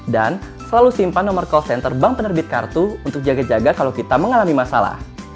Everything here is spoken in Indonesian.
dan selalu simpan nomor call center bank penerbit kartu untuk jaga jaga kalau kita mengalami masalah